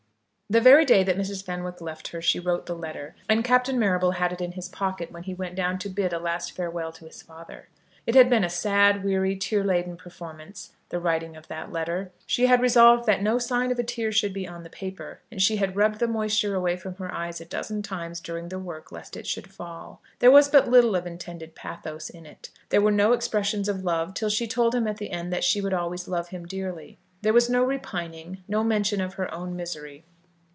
The very day that Mrs. Fenwick left her she wrote the letter, and Captain Marrable had it in his pocket when he went down to bid a last farewell to his father. It had been a sad, weary, tear laden performance, the writing of that letter. She had resolved that no sign of a tear should be on the paper, and she had rubbed the moisture away from her eyes a dozen times during the work lest it should fall. There was but little of intended pathos in it; there were no expressions of love till she told him at the end that she would always love him dearly; there was no repining, no mention of her own misery.